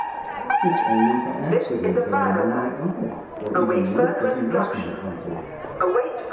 "It's only by accident that I know my uncle, or even learnt that he was my uncle."